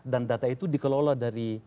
dan data itu dikelola dari